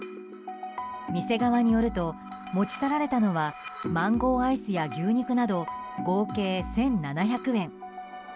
店側によると持ち去られたのはマンゴーアイスや牛肉など合計１７００円。